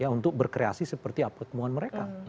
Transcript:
untuk berkreasi seperti apetemuan mereka